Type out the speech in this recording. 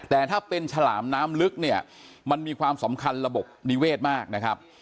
แต่ถ้าเป็นฉลามน้ำลึกเนี่ยมันมีความสำคัญระบบนิเวศมากนะครับ